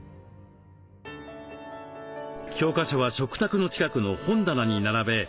教科書は食卓の近くの本棚に並べ